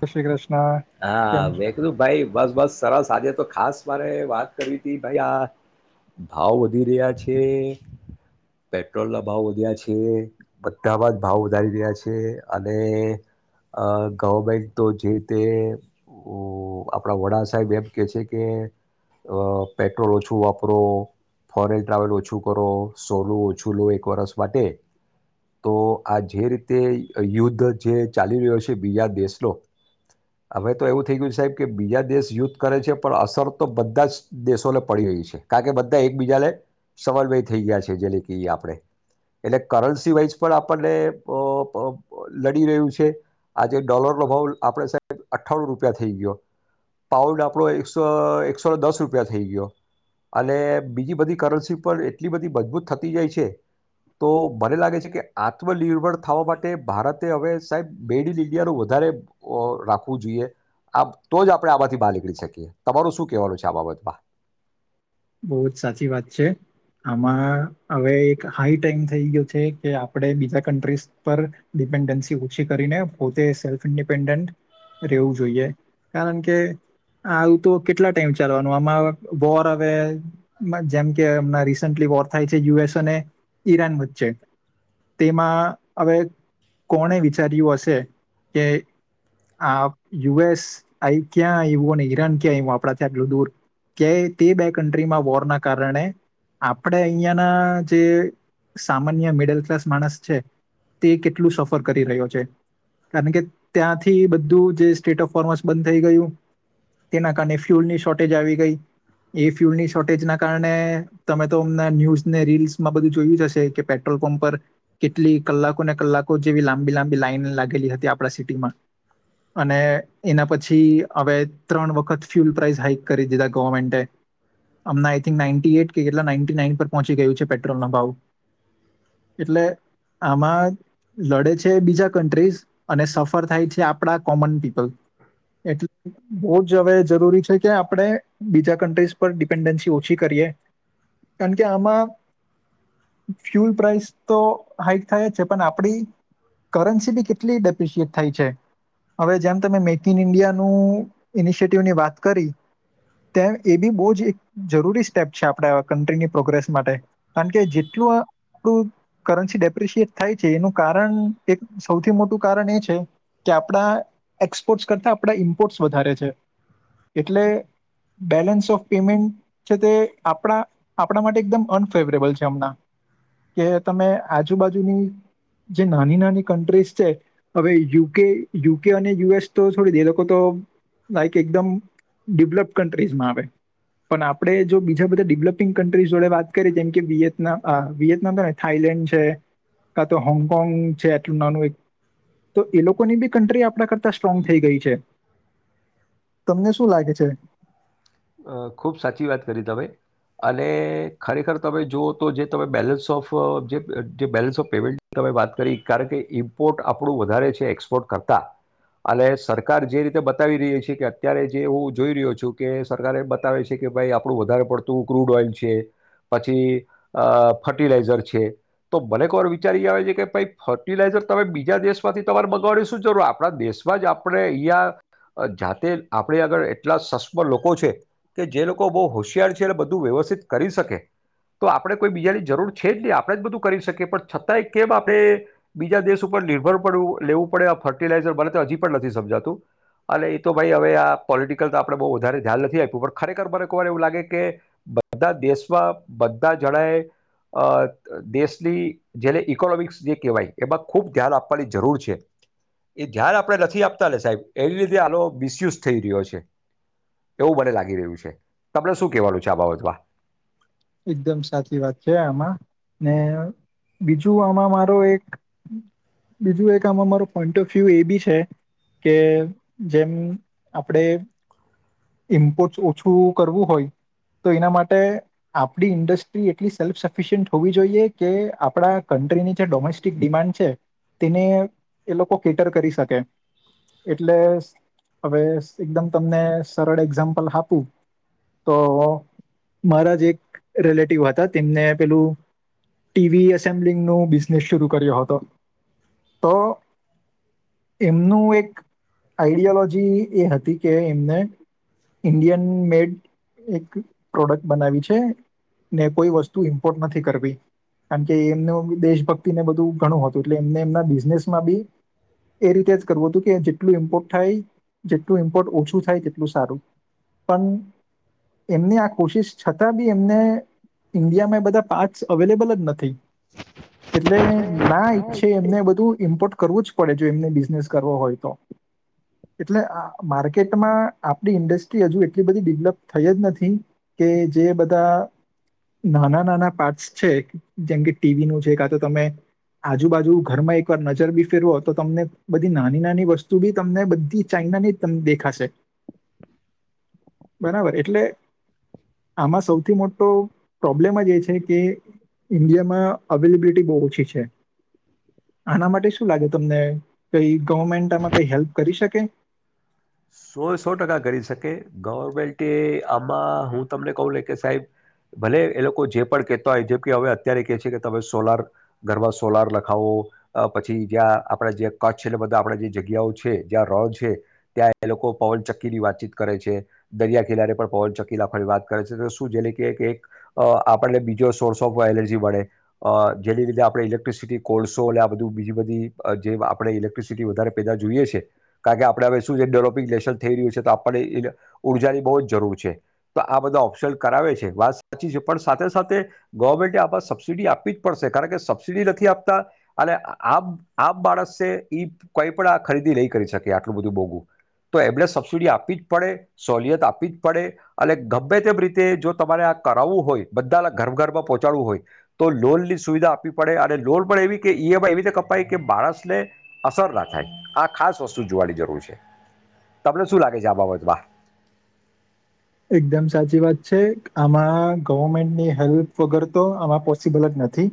જય શ્રી કૃષ્ણ કેમ હા છો? વેકલું ભાઈ બસ બસ સરસ સાજે તો ખાસ. મારે વાત કરવી હતી ભાઈ આ ભાવ વધી રહ્યા છે પેટ્રોલ ના ભાવ વધ્યા છે બધામાં જ ભાવ વધારી રહ્યા છે અને અ. ગવર્મેન્ટ તો જે રીતે આપણા વડા સાહેબ એમ કહે છે કે પેટ્રોલ ઓછું વાપરો ફોરેન ટ્રાવેલ ઓછું કરો સોનુંું ઓછું લો એક વરષ માટે તો આ જે રીતે યુદ્ધ જે ચાલી રહ્યો છે. બીજા દેશ હવે તો એવું થઈ ગયું સાહેબ કે બીજા દેશ યુદ્ધ કરે છે પણ અસર તો બધા જ દેશોને પડી રહી છે કારણ કે બધા એકબીજાને સલવય થઈ ગયા છે જેને કે આપણે એટલે કરન્સી વાઈઝ પણ આપણને લડી રહ્યું છે. આજે ડોલરનો ભાવ આપણે સાહેબ અઠ્ઠાણું રૂપિયા થઈ ગયો પાઉડ આપણો એકસો એકસો દસ રૂપિયા થઈ ગયો અને બીજી બધી કરન્સી પર એટલી બધી મજબૂત થતી જાય છે તો મને લાગે છે કે આત્મનિર્ભર થવા માટે ભારતે હવે સાહેબ બેડી લી. વધારે રાખવું જોઈએ તો જ આપણે આમાંથી બહાર નીકળી શકીએ તમાર શું કેહેવાનું છે આ બાબતમાં. બહુ જ સાચી વાત છે આમાં હવે એક હાઈ ટાઈમ થઈ ગયો છે કે આપણે બીજા કન્ટ્રીઝ પર ડિપેન્ડન્સી ઓછી કરીને પોતે સેલ્ફ ઇન્ડિપેન્ડન્ટ રહેવું જોઈએ કારણ કે આવું તો કેટલા ટાઈમ ચાલવાનો આમાં વોર હવે. જેમ કે એમના રિસેન્ટલી વોર થાય છે યુએસ અને ઈરાન વચ્ચે તેમાં હવે કોણે વિચાર્યું હશે કે આ યુએસ આ ક્યાં આવ્યું અને ઈરાન ક્યાં આવ આપણા આટલું દૂર કે તે. કન્ટ્રીમાં વોરના કારણે આપણે અહીંયાના જે સામાન્ય મિડલ ક્લાસ માણસ છે તે કેટલું સફર કરી રહ્યો છે કારણ કે ત્યાંથી બધું જે સ્ટેટ ઓફ ફોર્મસ બંધ થઈ ગયું તેના કારણે ફ્યુલની શોર્ટેજ આવી ગઈ. એ ફ્યુલની શોર્ટેજના કારણે તમે તો અમના ન્યૂઝને રીલ્સમાં બધું જોયું જ હશે કે પેટ્રોલ પંપ પર કેટલી કલાકોને કલાકો જેવી લાંબી લાંબી લાઈન લાગેલી હતી આપણા સિટીમાં અને એના પછી હવે ત્રણ વખત ફ્યુલ પ્રઇસ હાાઈક કરી દીધા ગવર્મેન્ટે. અમના આઈ થંક નાન્ટી એટ કે કેટલા નાઈન્ટી નાઈન પર પહોંચી ગયું છે પેટ્રોલ ના ભાવ એટલે આમાં લડે છે બીજા કન્ટ્રીઝ અને સફર થાય છે આપડા કોમન પીપલ એટલે બહ જ હવે જરૂરી છે કે આપણે બીજા કન્ટ્રીઝ. ઉપ ડિપેન્ડન્સી ઓછી કરીએ કારણ કે આમાં ફ્યુલ પ્રઇસ તો હાઈક થાય જ છે પણ આપણી કરન્સી બી કેટલી ડેપ્રિશિયટ થાય છે હવે જેમ તમે મેક ઇન ઇન્ડિયાનું ઇનિશિયટિવની વાત કરી તેમ એ બી બહુ જ. જરૂરી સ્ટેપ છે આપણા કન્ટ્રીની પ્રોગ્રેસ માટે કારણ કે જેટલું આપણું કરન્સી ડેપ્રિશિએટ થાય છે એનું કારણ એક સૌથી મોટું કારણ એ છે કે આપણા એક્સપોર્ટ્સ કરતાં આપણા ઇમ્પોર્ટ્સ વધારે છે એટલે બેલેન્સ ઓફ. પેમેન્ટ છે તે આપણા આપણા માટે એકદમ અનફેવરેબલ છે હમણાં કે તમે આજુબાજુની જે નાની નાની કન્ટ્રીઝ છે હવે યુકે યુકે અને યુએસ તો થોડી દે લોકો તો લાઈક એકદમ ડેવલપડ કન્ટ્રીઝમાં આવે. પણ આપણે જો બીજા બધા ડેવલોપિંગ કન્ટ્રી જોડે વાત કરીએ જેમ કે વિયેતનામ આ વિયેતનામ ને થાઈલેન્ડ છે કા તો હોંગકોંગ છે આટલું નાનું એક તો એ લોકોની બી કન્ટ્રી આપણા કરતા સ્ટ્રોંગ થઈ ગઈ છે તમને શું લાગે છે. અ ખૂબ સાચી વાત કરી ત ભાઈ. અને ખરેખર તમે જુઓ તો જે તમે બેલેન્સ ઓફ જે બેલેન્સ ઓફ પેમેન્ટની તમે વાત કરી કારણ કે ઇમ્પોર્ટ આપણું વધારે છે એક્સપોર્ટ કરતા અને સરકાર જે રીતે બતાવી રહી છે કે અત્યારે જે હું જોઈ રહ્યો છું કે. સર એ બતાવે છે કે ભાઈ આપણું વધારે પડતું ક્રૂડ ઓઇલ છે પછી ફર્ટિલાઈઝર છે તો મને એક વાર વિચારી આવે છે કે ભ ફર્ટિલાઈઝર તમે બીજા દેશમાંથી તમારે મગાવવાની શું જરૂર આપણા દેશમાં જ આપણે અહીંયા જાતે આપણે આગ એટલા સસ્મ લોકો. છે કે જે લોકો બહુ હોશિયાર છે અને બધું વ્યવસ્થિત કરી શકે તો આપણે કોઈ બીજાની જરૂર છે જ નહી આપણે જ બધું કરી શકીએ પણ છતાંય કેમ આપણે બીજા દેશ ઉપર નિર્ભર પડું લેવું પડે ફર્ટિલાઈઝર બને તો હજી પણ નથી સમજાતું અને એ તો ભાઈ હવે આ પોલિટિકલ તો આપણે બહુ વધારે. ધ્યાન નથી આપ્યું પણ ખરેખર મને કર એવું લાગે કે બધા દેશમાં બધા જણાએ દેશની જેને ઈકોનોમિક્સ જે કહેવાય એમાં ખૂબ ધ્યાન આપવાની જરૂર છે એ ધ્યાન આપણે નથી આપતા લ સાહેબ એની લીધે આનો મિસયુઝ થઈ રહ્યો છે. એવું મને લાગી રહ્યું છે તમને શું કેહેવાનું છે આ બાબતમાં. એકદમ સાચી વાત છે આમાં ને બીજું આમાં મારો એક બીજું એક આમાં મારો પોઈન્ટ ઓફ વ્યુ એ બી છે કે જેમ આપડે ઇમ્પોર્ટ ઓછું કરવું હોય તો એના માટે. આપણી ઇન્ડસ્ટ્રી એટલી સેલ્ફ સફિશિયન્ટ હોવી જોઈએ કે આપણા કન્ટ્રીની જે ડોમેસ્ટિક ડિમાન્ડ છે તેને એ લોકો કેટર કરી શકે એટલે હવે એકદમ તમને સરળ એક્ઝામ્પલ આપું તો મારા જ એક. રિલેટિવ હતા તેમને પેલું ટીવી એસેમ્બલિંગ ન બિઝનેસ શર કર્યો હતો તો એમનું એક આઈડિયોલોજી એ હતી કે એમને ઇન્ડિયન મેડ એક પ્રોડક્ટ બનાવી છે. ને કોઈ વસ્તુ ઇમ્પોર્ટ નથી કરવી કારણ કે એમનું દેશભક્તિને બધું ઘણું હતું એટલે એમને એમના બિઝનેસમાં બી એ રીતે જ કરવું હતું કે જેટલું ઇમ્પોર્ટ થાય જેટલું ઈમ્પોર્ટ ઓછું થાય તેટલું સારું પણ એમની આ કોશિશ છતાં. બી એમને ઇન્ડિયામાં એ બધા પાર્ટસ અવેલેબલ જ નથી એટલે ના ઈચ્છે એમને બધું ઇમ્પોર્ટ કરવું જ પડે જો એમને બિઝનેસ કરવો હોય તો એટલે માર્કેટમાં આપણી ઇન્ડસ્ટ્રી હજુ એટલી બધી ડેવલપ થઈ જ નથી કે. જે બધા નાના નાના પાર્ટસ છે જેમ કે ટીવી નું છે કા તો તમે આજુબાજુ ઘરમાં એકવાર નજર બી ફેરવો તો તમને બધી નાની નાની વસ્તુ બી તમને બધી ચાાઈનાની તમ દેખાશે. બરાબર એટલે. આમાં સૌથી મોટો પ્રોબ્લેમ જ એ છે કે ઈન્ડિયામાં અવેલેબિલિટી બહુ ઓછી છે આના માટે શું લાગે તમને કઈ ગવર્મેન્ટ આમાં કઈ હેલ્પ કરી શકે. સો સો ટકા કરી શકે ગવર્મેન્ટ આમાં હું તમને કહ લે કે સાહેબ ભલે એ લોકો જે પણ કેહેતા હોય જેમ કે હવે અત્યારે કે છે કે તમે સોલાર ઘરમાં સોલાર લખાવો પછી જ્યાં આપણા જે કચ્છ છે એટલે બધા આપ જે જગ્યાઓ છે જ્યાં રો છે ત્યાં. એ લોકો પવન ચક્કી ની વાતચીત કરે છે દરિયા કિનારે પણ પવન ચક્કી લખવાની વાત કરે છે તો શું જે કે એક આપણને બીજો સોર્સ ઓફ એનર્જી મળે જેની લીધે આપણે ઇલેક્ટ્રિસિટી કોલસો અને આ બધું બીજી બધી જે આપણે ઇલેક્ટ્રિસિટી વધારે પેદા જોઈએ છે કારણ કે આપણે હવે શું છે ડેવપ. લે થઈ રહ છે તો આપને ઉર્જાની બહુ જરૂર છે તો આ બધા ઓપ્શન કરાવે છે વાત સાચી છે પણ સાથે સાથે ગવર્મેન્ટ આ સબસિડી આપવી જ પડશે કારણ કે સબસીિડી નથી આપતા અને આમ આમ માણસે કઈ પણ આ ખરીદી નહી કરી શકે આટલું બધું મોોગું. તો એમણે સબસિડી આપવી જ પડે સહલિયત આપવી જ પડે અને ગમે તેમ રીતે જો તમારે આ કરાવવું હોય બધાના ઘર ઘરમાં પહોંચાડવું હોય તો લોનની સુવિધા આપવી પડે અને લોન પણ એવી કે એમાં એવી રીતે કપાય કે માણસને અસર ના થાય આ ખાસ વસ્તુ જોવાની જરૂર છે. તમને શું લાગે છે આ બાબતમાં. એકદમ સાચી વાત છે આમાં ગવર્મેન્ટની હેલ્પ વગર તો આમાં પોસિબલ જ નથી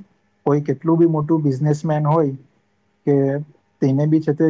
કોઈ કેટલું બી મોટું બિઝનેસમેન હોય કે તેને બી.